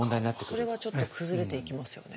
それはちょっと崩れていきますよね。